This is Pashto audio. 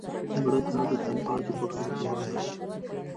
مړه ته د تلپاتې خوښۍ دعا کوو